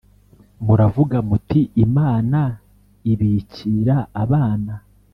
“muravuga muti ‘imana ibikira abana